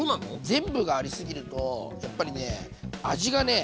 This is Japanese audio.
全部がありすぎるとやっぱりね味がね